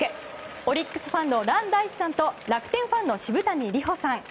オリックスファンの蘭大志さんと楽天ファンの澁谷里歩さん。